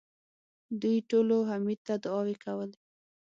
دوی ټولو حميد ته دعاوې کولې.